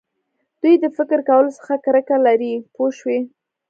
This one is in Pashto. دوی د فکر کولو څخه کرکه لري پوه شوې!.